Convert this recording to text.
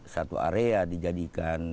satu area dijadikan